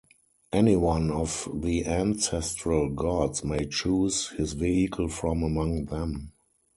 Any one of the ancestral gods may choose his vehicle from among them.